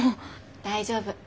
大丈夫。